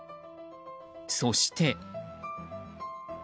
そして。